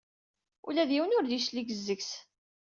Ula d yiwen ur d-yeclig seg-k.